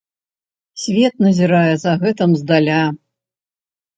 Свет назірае за гэтым здаля.